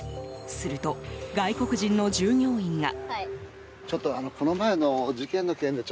すると、外国人の従業員が。